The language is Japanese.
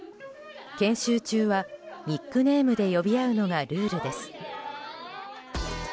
研修中はニックネームで呼び合うのがルールです。